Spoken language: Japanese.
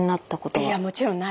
いやもちろんないです。